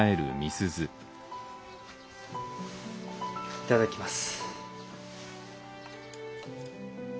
いただきます。